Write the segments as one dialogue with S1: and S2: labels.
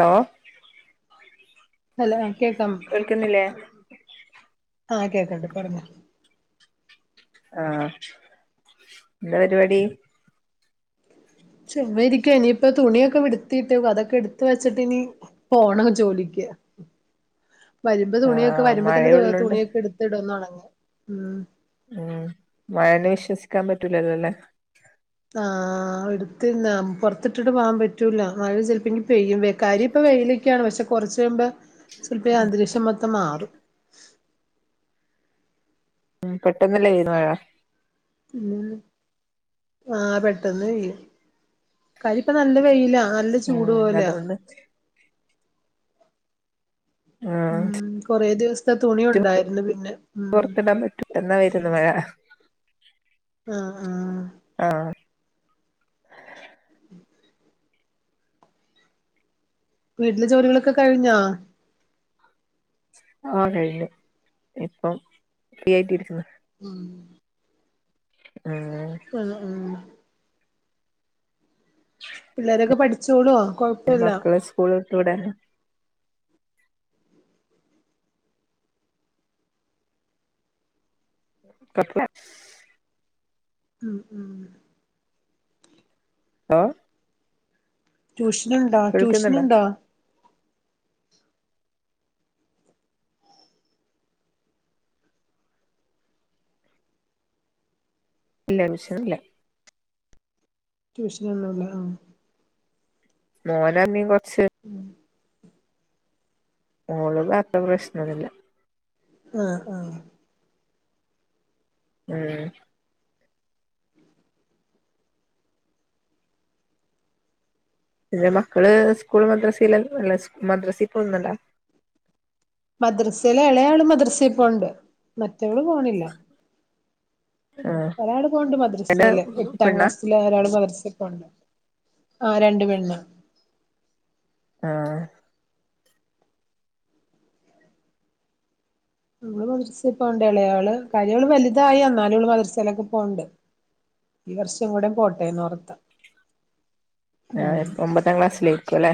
S1: hello
S2: hello കേക്കാമോ
S1: കേൾക്കുന്നില്ലേ
S2: ആഹ് കേക്കണ്ട് പറഞ്ഞോ
S1: ആഹ്എന്താപരിവാടി
S2: ചുമ്മാരിക്ക ഇനിയിപ്പൊ തുണിയൊക്കെ വിടുത്തീട്ട് വതൊക്കെ എടുത്ത് വെച്ചിട്ട് ഇനി പോണം ജോലിക്ക് വരുമ്പോ തുണിയൊക്കെ
S1: ആഹ്
S2: വരുമ്പോ തന്നെ
S1: മഴയുള്ളോണ്ട്
S2: തുണിയൊക്കെ എടു- ത്തിടന്നൊണ ങ്ങി ഉം
S1: ഉം മഴേനെ വിശ്വസിക്കാ പറ്റൂലല്ലോ അല്ലേ
S2: ആഹ്എടുത്തിനാംപൊറത്തിട്ടിട്ട് പോവാൻ പറ്റൂല മഴ ചിലപ്പോങ്കിപെയ്യും കാര്യയിപ്പ വെയിലൊക്കെയാണ് പക്ഷെ കൊറച്ച് കഴിയുമ്പോ ചെലപ്പോ അന്തരീക്ഷം മൊത്തം മാറും
S1: ഉം പെട്ടെന്നല്ലേയിരുന്നു മഴ
S2: ഉം ആ പെട്ടന്ന് കഴിയും കാര്യയിപ്പ നല്ല വെയിലാ നല്ല ചൂട്
S1: ഉം
S2: പോലെയാ
S1: അതുകൊണ്ട്
S2: ഉം കൊറേ ദിവസത്തെ തുണി
S1: ചുറ്റും
S2: ഒണ്ടാരുന്നു പിന്നെ ഉം
S1: പൊറത്തിടാൻ പറ്റും എന്നാ വരുന്നേ മഴ
S2: ആഹ്ആഹ്
S1: ആഹ്
S2: വീട്ടിലെ ജോലികളൊക്കെ കഴിഞ്ഞോ
S1: ആ കഴിഞ്ഞു ഇപ്പം ഫ്രീ ആയിട്ടിരിക്കുന്നു
S2: ഉം
S1: ഉം
S2: ആഹ് ആഹ് പിള്ളോരൊക്കെ പഠിച്ചോളോ കൊഴപ്പില്ല
S1: സ്കൂളു വിട്ടുടനെ [unintelligible] ലാപ്സ്
S2: ഉം ഉം
S1: ലോ
S2: ട്യൂഷനുണ്ടാ
S1: കേൾക്കുന്നുണ്ടോ
S2: ട്യൂഷനുണ്ടോ
S1: ഇല്ല ട്യൂഷ നില്ല
S2: ട്യൂഷനൊന്നൂല്ല ആഹ്
S1: മോന അമ്മീം കൊറച്ച്
S2: ഉം
S1: മോള് മാത്രം പ്രശ്നോന്നില്ല
S2: ആഹ് ആഹ്
S1: ആഹ് പിന്നെ മക്കള് സ്കൂൾ മദ്രസേലല്ല അല്ല മദ്രസേൽ പോന്നുണ്ടോ
S2: മദ്രസേല് ഇളയാള് മദ്രസേ പോണ്ട് മറ്റവള് പോണില്ല
S1: ആഹ്
S2: ഒരാള് പോണ്ട്
S1: എന്റെ
S2: മദ്രസേല് എട്ടാം
S1: പെണ്ണാ
S2: ക്ലാസ് ല്ഒരാള് മദ്രസേൽപോണ്ട് ആ രണ്ട് പെണ്ണ
S1: ആഹ്
S2: ഇവള് മദർസേ പോണ്ട് ഇളയാള് കാര്യവള് വലുതായി എന്നാലും മദർസേലൊക്കെ പോണ്ട് ഈ വർഷം കൂടെ പോട്ടേന്നോർത്ത ഉം
S1: ആഹ് ഒമ്പതാം ക്ലാസ്സിലായ്ക്കും അല്ലേ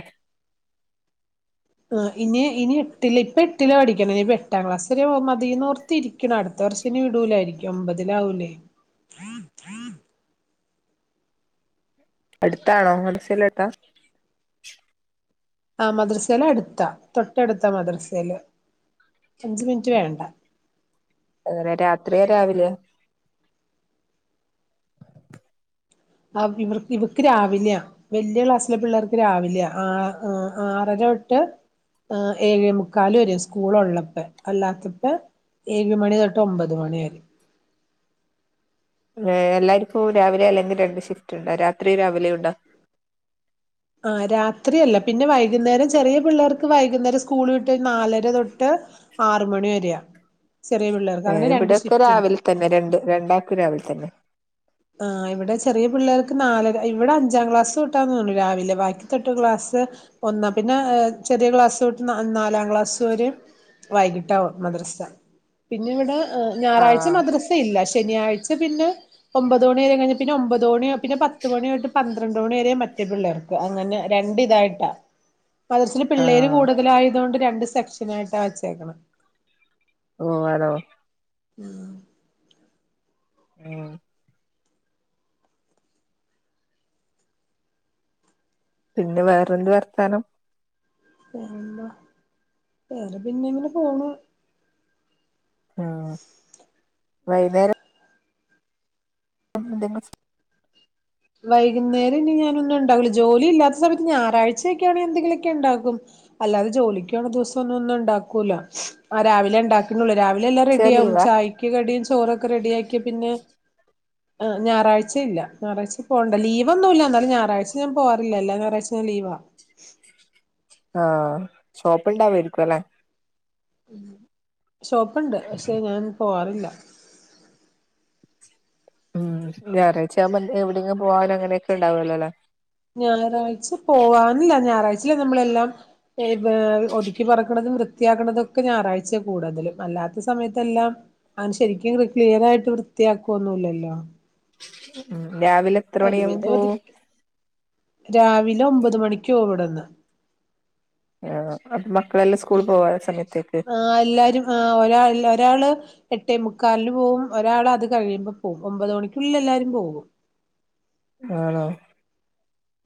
S2: ആ ഇനി ഇനി എട്ടില് ഇപ്പ എട്ടിലാ പഠിക്കണെ നിഇപ്പ എട്ടാം ക്ലാസ് വരെ മതിന്ന് നോർ ത്തിരിക്കണു അടുത്ത വർഷം ഇനി വിടൂലായിരിക്കും ഒമ്പതിലാവൂലേ
S1: അടുത്താണോ മദ്രസേലോട്ടാ
S2: ആഹ് മദ്രസേല് അടുത്താ തൊട്ടടുത്താ മദ്രസേല് അഞ്ച് മിനിറ്റ് വേണ്ട
S1: വേറെ രാത്ര്യാ രാവില്യാ
S2: ആഹ് ഇവർ ഇവക്ക് രാവിലെയാ വല്ല്യ ക്ലാസ്സിലെ പിള്ളേർക്ക് രാവില്യാ ആഹ് ആഹ് ആറരതൊട്ട് ആഹ് ഏഴ് മുക്കാല് വരെ സ്കൂള് ഉള്ളപ്പോ അല്ലാത്തപ്പ ഏഴ് മണി തൊട്ട് ഒമ്പത് മണി വരെ
S1: ഏ എല്ലാര്ക്കും രാവിലെ അല്ലെങ്കിൽ രണ്ട് ഷിഫ്റ്റ് ഇണ്ടോ രാത്രി രാവിലോം ഉണ്ടോ
S2: ആഹ് രാത്രി അല്ല പിന്നെ വൈകുന്നേരം ചെറിയ പിള്ളേർക്ക് വൈകുന്നേരം സ്കൂൾ വിട്ട് നാലര തൊട്ട് ആറ് മണി വരെയാ ചെറിയ പിള്ളേർക്ക് അങ്ങനെ രണ്ട്
S1: ഇവിടെയൊക്കെ
S2: ഷിഫ്റ്റ് ഇണ്ട്
S1: രാവിലെ തന്നെ രണ്ട് രണ്ടാക്കും രാവിലെ തന്നെ
S2: ആഹ് ഇവിടെ ചെറിയ പിള്ളേർക്ക് നാലര ഇവിടെ അഞ്ചാം ക്ലാസൊട്ടാ തോന്നുണു രാവിലെ ബാക്കി തൊട്ട് ക്ലാസ്സ് ഒന്നാ പിന്നെ അഹ് ചെറിയ ക്ലാസ്സൊട്ട് നാലാം ക്ലാസ്സ് വരെം വൈകിട്ടാവും മദ്രസ പിന്നെ ഇവിടെ ആഹ് ഞായറാഴ്ച
S1: ആഹ്
S2: മദ്രസയില്ല ശനിയാഴ്ച പിന്നെ ഒമ്പത് മണി വരെ കഴിഞ്ഞ് പിന്നെ ഒമ്പതോണി പിന്നെ പത്ത് മണി തൊട്ട് പന്ത്രണ്ട് മണി വരെ മറ്റേ പിള്ളേർക്ക് അങ്ങനെ രണ്ട് ഇതായിട്ടാ മദ്രസേല് പിള്ളേര്
S1: ആഹ്
S2: കൂടുതലായതുകൊണ്ട് രണ്ട് സെക്ഷനായിട്ടാ വച്ചേക്കണ്
S1: ഓ ആണോ
S2: ഉം
S1: ഉം പിന്നെ വേറെന്ത് വർത്താനം
S2: പിന്നെ വേറെ പിന്നെ ഇങ്ങനെ പോണു
S1: ആഹ് വൈന്നേരം ഇന്തെങ്കു സ്
S2: വൈകുന്നേരം ഇനി ഞാനൊന്നും ഉണ്ടാവില്ല ജോലി ഇല്ലാത്ത സമയത്ത് ഞായറാഴ്ചയെക്കെ ആണെക്കി എന്തെിലുമൊക്കെ ഇണ്ടാക്കും അല്ലാതെ ജോലിക്ക് പോന്നദിവസം ഒന്നും ഒന്നും ഒണ്ടാക്കൂലോ ആഹ് രാവിലെ ഇണ്ടാക്കലുള്ളൂ രാവിലെ എ
S1: സ്പെഷ്യൽ
S2: റെഡിയാവും
S1: ലീവാ
S2: ചായക്ക് കടിയും ചോറൊക്കെ റെഡി ആക്കിയ പിന്നെ ആഹ് ഞായറാഴ്ച ഇല്ല ഞായറാഴ്ച പോണ്ട ലീവ്ന്നുല്ല എന്നാലും ഞായറഴ്ച ഞാൻ പോവാറില്ല എല്ല ഞായറാഴചയും ഞാൻ ലീവാ
S1: ആഹ് ഷോപ്പ് ഉണ്ടെമേടിക്കും അല്ലെ
S2: ഷോപ്പുണ്ട് പക്ഷെ ഞാൻ പോവാറില്ല
S1: ഉം ഞായറഴ്ചവുമ്പോ എവിടെങ്കിലും പോവാനും അങ്ങനെയൊക്കെ ഉണ്ടാവല്ലോല്ലേ
S2: ഞായറാഴ്ച പോവാനില്ല ഞായറാഴ്ച നമ്മളെല്ലാം ഒ ക്കി പേറക്കണതും വൃത്തിയാക്കണതുംക്കെ ഞായറഴ്ചയകൂടുതല് അല്ലാത്ത സമയത്തെ എല്ലാം അവൻ ശരിക്കും ക്ലി ക്ലിയറായിട്ട് വൃത്തിയാക്കൊന്നുംല്ലല്ലോ
S1: രാവിലെ എത്ര
S2: ഒരു വിധം
S1: മണിയാവുമ്പോ പോവും
S2: ഒതിക്ക്‌ രാവിലെ ഒമ്പത് മണിക്ക് പോ ഇവിട്ന്ന്
S1: ആഹ് മക്കളെല്ലാം സ്കൂളിപോയ സമയത്തേക്ക്
S2: ആഹ് എല്ലാരും ആഹ് ഒരാ ഒരാള് എട്ടേമുക്കാലന് പോകും ഒരാള് അത് കഴിയുമ്പോപോകും ഒമ്പത് മണിക്ക്‌ ഉള്ളിൽഎല്ലാവാരുംപോകും
S1: ആണോ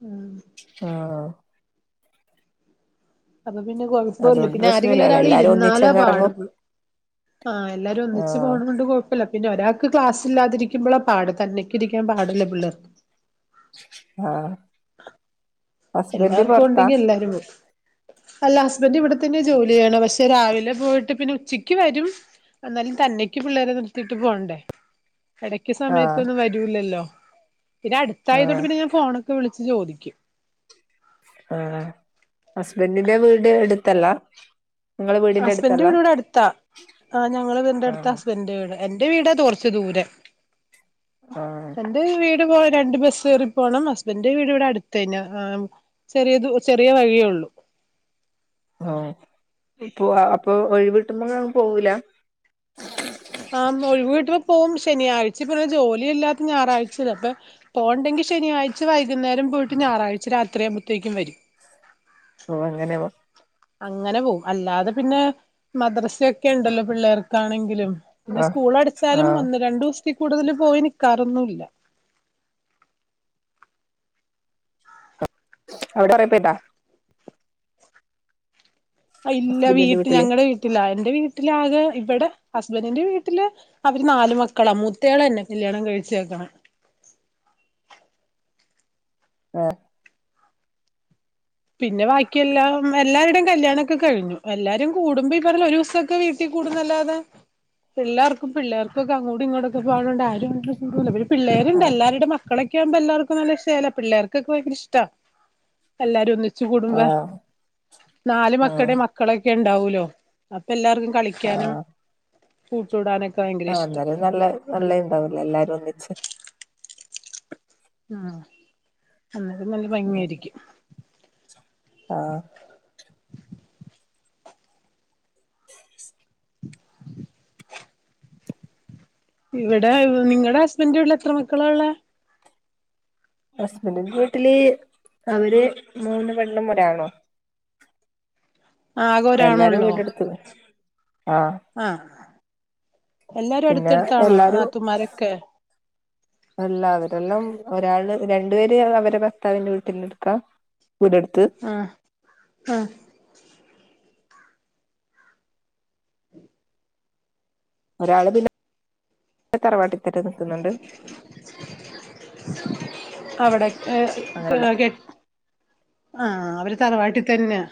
S2: ഉം
S1: ആഹ്
S2: അപ്പൊ പിന്നെ കൊഴപ്പോല്ല
S1: അതുകൊണ്ട്
S2: പിന്നെ ആരെങ്കിലും
S1: പ്രശ്നല്ലല്ലേ
S2: ഒരാള്
S1: എല്ലാരും
S2: ഇരുന്നാല
S1: ഒന്നിച്ചങ്ങ്
S2: പാട്
S1: എറങ്ങും
S2: ആഹ് എല്ലാരും ഒന്നിച്ച്
S1: ആഹ്
S2: പോണ കൊണ്ട് കൊഴപ്പല്ല പിന്നെ ഒരാക്ക് ക്ലാസ് ഇല്ലാതിരിക്കുമ്പോളാ പാട് തന്നെ ഇരിക്കാ പാടല്ലെ പിള്ളേർക്ക്
S1: ആഹ് ഹസ്ബൻഡ്
S2: എല്ലാർക്കും
S1: പൊറത്താ
S2: ഉണ്ടെങ്കിൽ എല്ലാരും പോ അല്ല ഹസ്ബൻഡ് ഇവിടെത്തന്നെ ജോലി ചെയ്യണേ പക്ഷെ രാവിലെ പോയിട്ട് പിന്നെ ഉച്ചയ്ക്ക് വരും എന്നാലും തന്നേക്ക് പിള്ളേരെ നിർത്തിട്ട് പോകണ്ടേ എട ഈ
S1: ആഹ്
S2: സമയത്തൊന്നും വരൂല്ലല്ലോ പിന്നെ അടുത്തായതോണ്ട്
S1: ആഹ്
S2: പിന്നെ ഞാൻ ഫോണൊക്കെ വിളിച്ച് ചോദിക്കും
S1: ആഹ് ഹസ്ബന്റിന്റ വീട് അടുത്തല്ല നിങ്ങളെ വീടിന്റെ
S2: ഹസ്ബൻന്റെ വീട് ഇവിടെ അടുത്താ ആഹ് ഞങ്ങളെ വീടിന്റെ അടുത്താ
S1: ആഹ്
S2: ഹസ്ബൻന്റെ വീട് എന്റെ വീട് കൊറച്ച് ദൂരെയാ
S1: ആണ്
S2: എന്റെ വീട് പോവാൻ രണ്ട് ബസ്സ് കേറിപോണം ഹസ്ബൻഡ്ന്റെ വീട് ഇവിടെ അടുത്ത് തന്നെ ആഹ് ചെറിയത് ചെറിയ വഴിയേ ഒള്ളൂ
S1: ഇപ്പ അപ്പൊ ഒഴിവിട്ടുമ്പങ്ങും പോവൂല
S2: ആ പോയി വീട്ടില് പ്പോകും ശനിയാഴ്ച പിന്നെ ജോലിഇല്ലാത്ത ഞായറാഴ്ച അപ്പൊ പോകണ്ടെങ്കി ശനിയാഴ്ച്ച വൈകുന്നേരം പോയിട്ട് ഞായറാഴ്ച്ച രാത്രിആകുമ്പത്തേക്ക്‌ വരും
S1: ഓ അങ്ങനെവാ
S2: അങ്ങനെ പോവും അല്ലാതെ പിന്നെ മദ്രസൊക്കെ ഉണ്ടല്ലോ പിള്ളേർക്കാണെങ്കിലും പിന്നെ
S1: ആഹ്
S2: സ്കൂൾ അടച്ചാലും
S1: ആഹ്
S2: ഒന്ന് രണ്ടു ദിവസത്തി കൂടുതലും പോയി നിക്കാറൊന്നുംല്ല
S1: അവിടെ പൊറപ്പോട്ടാ
S2: ഇല്ല
S1: ഹസ്ബൻഡിന്റെ
S2: വീട്ടി
S1: വീട്ടില്
S2: ഞങ്ങടെ വീട്ടിലാ എന്റെ വീട്ടിലാകെ ഇവിടെ ഹസ്ബൻഡിന്റെ വീട്ടില് അവര് നാല് മക്കളാ മൂത്തേളാ എന്നെകല്യാണം കഴിച്ചേക്കണേ
S1: ആഹ്
S2: പിന്നെ ബാക്കിയെല്ലാം എല്ലാരുടെയും കല്യാണംഒക്കെ കഴിഞ്ഞു എല്ലാരും കൂടുമ്പോക്കെ ഈ പറഞ്ഞ ഒരു ദിവസംക്കെ വീട് ട്ടി കൂടുംന്നല്ലാതെ പിള്ളാർക്കും പിള്ളാർക്കൊക്കെ അങ്ങോടും ഇങ്ങോട്ക്കെ പാടണ്ട് ആരും ഒര് ഇവര് പിള്ളേരുണ്ട്
S1: ആഹ്
S2: എല്ലാരുടെ മക് കളിക്കാമ്പോ എല്ലാർക്കും നല്ല ഷേല പിള്ളേർക്കൊക്കെ ഭയങ്കര ഇഷ്ടാ എല്ലാരും ഒന്ന് ച്ചൂടുമ്പ
S1: ആഹ്
S2: നാല് മക്കടെ
S1: ആഹ്
S2: മക് മക്കളൊക്കെ ഉണ്ടാവൂല്ലോ അപ്പം എല്ലാർക്കും കളിക്കാനും
S1: ആഹ്
S2: കൂട്ടൂടാനൊക്കെ ഭയങ്കര
S1: ആഹ്
S2: ഇഷ്ടം
S1: അന്നേരം നല്ല നല്ലേ ഇണ്ടാവൂലേ എല്ലാരും ഒന്നിച്ച്
S2: ഉം അന്നിട്ട് നല്ല ഭംഗിയായിരിക്കും
S1: ആഹ്
S2: [unintelligible] [inaudible] ഇവിടെ നിങ്ങള്ടെ ഹസ്ബൻഡ്ന്റെ വീട്ടിൽ എത്ര മക്കളാ ഉള്ളെ
S1: ഹസ്ബന്റിന്റെ വീട്ടില് അവര് മൂന്ന് പെണ്ണും ഒരു ആണുംആ
S2: ആകെ
S1: എല്ലാരും
S2: ഒരാണുള്ളോ
S1: വീടെടുത്ത് ആഹ്
S2: ആഹ് എല്ലാരും
S1: പിന്നെ
S2: അടുത്തടുത്താണോ
S1: എല്ലാരും
S2: നാതുൻമാരൊക്കെ
S1: [unintelligible] [inaudible] അല്ല അവരെല്ലാം ഒരാള് രണ്ടു പേര് അവരെ ഭർത്താവിന്റെ വീട്ടിൽ നിക്കാ ഒരടുത്ത്
S2: ആഹ് ഉം
S1: ഒരാള് പിന്നെ തറവാട്ടി ത്തന്നെ നിൽക്കുന്നുണ്ട്
S2: അവിടൊകെ
S1: അങ്ങനെയുള്ള
S2: കെ ഏ ആഹ് അവര് തറവാട്ടിൽ തന്നെയാ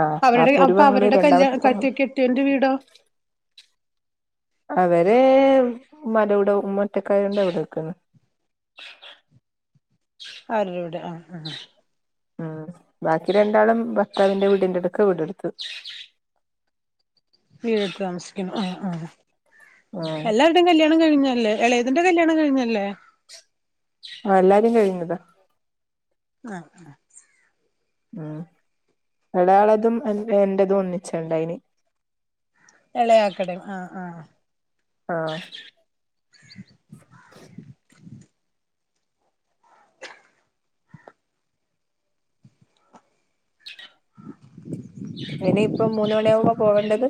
S1: ആഹ്
S2: അവരുടെ
S1: ഒരു
S2: അപ്പൊ
S1: പെങ്ങള്
S2: അവരുടെ കല്യാ
S1: രണ്ടാമത്തെ പെങ്ങള്
S2: കറ്റൊക്കെ കെട്ടിയോന്റെ വീടോ
S1: അവര് ഉമ്മാടെ കൂടിയാ ഉമ്മ ഒറ്റക്കായോണ്ടാ അവിടെ നിക്ക്ന്ന
S2: ആരുരൂടെ ആഹ് ആ
S1: ഉം ബാക്കി രണ്ടാളും ഭർത്താവിന്റെ വീടിന്റെ അടുക്ക വീടെടുത്തു
S2: വീടെട്ത് താമസിക്കുന്നു ആഹ് ആഹ്
S1: ആഹ്
S2: ആ എല്ലാക്ക ഇതും കല്യാണം കഴിഞ്ഞല്ലേ എളയതിന്റെ കല്യാണം കഴിഞ്ഞല്ലേ
S1: ആ എല്ലാരും കഴിഞ്ഞതാ
S2: ആഹ് ആ
S1: മ് ഒടയാളതും എന്റതും ഒന്നിച്ചുണ്ടായിന്
S2: എളയാക്കടയും ആഹ് ആ
S1: ആഹ്
S2: [unintelligible] [inaudible]
S1: ഉ
S2: [unintelligible] [inaudible]
S1: അയിനി ഇപ്പം മൂന്ന് മണി ആവുമ്പോ പോവേണ്ടത്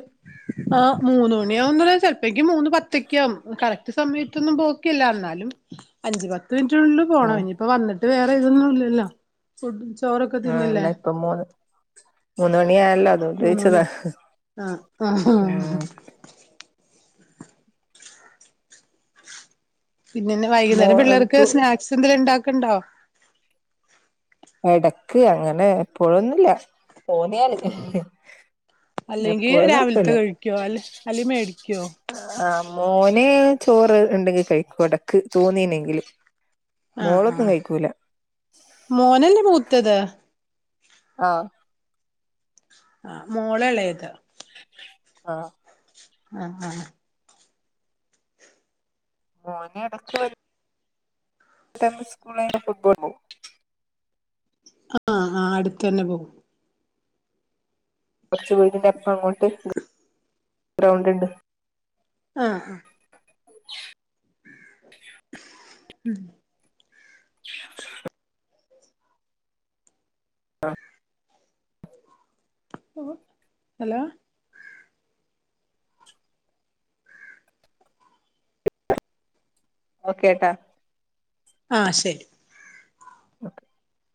S2: ആ മൂന്ന മണിയാവുന്ന ചെലപ്പേക്ക് മൂന്ന് പത്ത് ഒക്കെ ആവുംകറക്റ്റ് സമയത്തൊന്നും പോ ല്ല എന്നാലും അഞ്ചു പത്ത് മിനിറ്റിനുള്ളിൽ
S1: ആ
S2: പോണം ഇനിയിപ്പോ വന്നിട്ട് വേറെ ഇതൊന്നും ഇല്ലല്ലോ ഫുഡും ചോറൊക്കെ
S1: ആ
S2: തിന്നില്ലേ
S1: [unintelligible] മൂന്ന് മണി ആയല്ലോ
S2: മൂന്നോളി ആഹ് ആഹ്
S1: ഉം
S2: പിന്നെ
S1: മോ
S2: വൈകുന്നേരം പിള്ളേർക്ക്
S1: തു
S2: സ്നാക്സ് എന്തങ്കലും ഉണ്ടാക്കണ്ടോ
S1: എടക്ക് അങ്ങനെ എപ്പോഴൊന്നുമില്ല പോന്നിയല്
S2: ആഹ്
S1: എപ്പോഴും [unintelligible]
S2: അ അല് മേടിക്കോ
S1: ആ മോന ചോറ് ഉണ്ടെങ്കി കഴിക്കും ഇടക്ക് തോന്നീന്നെങ്കില്
S2: ആഹ് മോനല്ലേ മൂത്തേത്
S1: ആഹ്
S2: ആഹ് മോളഓള്ളേ
S1: ആഹ്
S2: ആഹ് ആഹ്
S1: മോൻ എടക്കവരും സ്കൂള ഫുട്ബോൾ
S2: ആഹ് ആഹ് അടുത്ത തന്നെ പോകും
S1: കുറച്ച വീടിന്റെ അപ്പുറം അങ്ങോട്ട് ഗ്രൗണ്ട് ഉണ്ട്
S2: ആഹ് ആഹ്
S1: [unintelligible]
S2: ഉം
S1: [inaudible] [unintelligible]
S2: ഹലോ
S1: ഓക്കേ ട്ടാ
S2: ആഹ് ശരി
S1: ഓക്കെ [unintelligible]